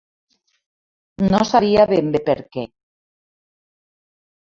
No sabia ben bé per què